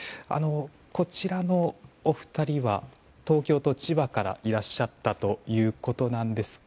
こちらのお二人は東京と千葉からいらっしゃったということです。